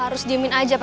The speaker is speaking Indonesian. aku tidur lama juga